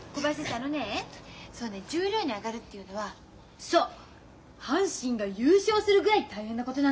あのねえそうね十両に上がるっていうのはそう阪神が優勝するぐらい大変なことなの。